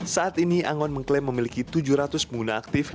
saat ini angon mengklaim memiliki tujuh ratus pengguna aktif